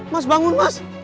mas ali bangun mas